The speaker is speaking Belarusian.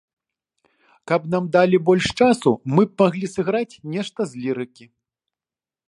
Каб нам далі больш часу, мы б маглі сыграць нешта з лірыкі.